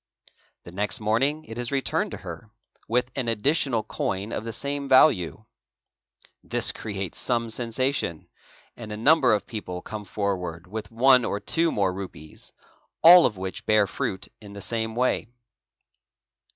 The next morning it is returned to her with an additional coin of the same value. This creates some sensation; 'and a number of people come forward with one or two or more rupees, all of which bear fruit in the same way.